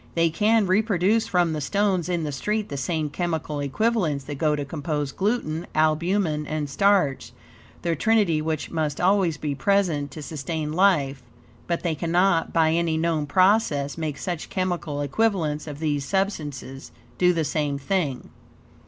They can reproduce from the stones in the street the same chemical equivalents that go to compose gluten, albumen, and starch the trinity which must always be present to sustain life; but they cannot, by any known process, make such chemical equivalents of these substances, do the same thing.